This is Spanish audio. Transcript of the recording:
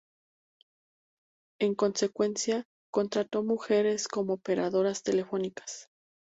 En consecuencia, contrató mujeres como operadoras telefónicas.